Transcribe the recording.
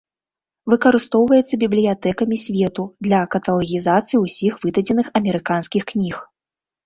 Выкарыстоўваецца бібліятэкамі свету для каталагізацыі ўсіх выдадзеных амерыканскіх кніг.